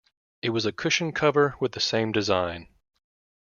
It was a cushion-cover with the same design.